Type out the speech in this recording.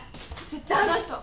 絶対あの人！